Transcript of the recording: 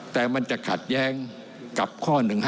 แต่มันจะขัดแย้งกับข้อ๑๕